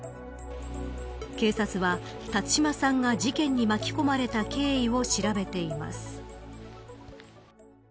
警察は、辰島さんが事件に巻き込まれた経緯を調べています。